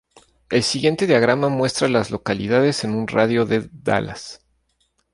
El siguiente diagrama muestra a las localidades en un radio de de Dallas.